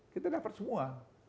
kita dapat semua